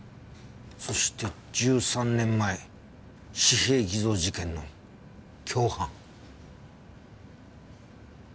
そして１３年前紙幣偽造事件の共犯。